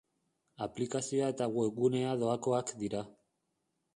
Aplikazioa eta webgunea doakoak dira.